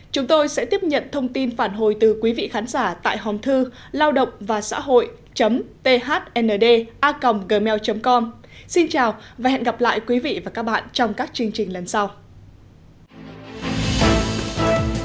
trong một mươi tám hai nghìn hai mươi một theo quy định tại khoản một điều năm hai của luật giáo dục nghề nghiệp